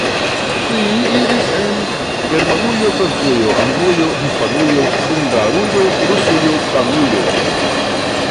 Li iris en Germanujo, Francujo, Anglujo, Hispanujo, Hungarujo, Rusujo, Danujo.